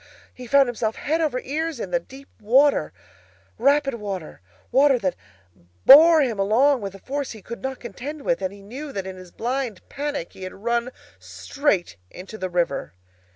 he found himself head over ears in deep water, rapid water, water that bore him along with a force he could not contend with; and he knew that in his blind panic he had run straight into the river!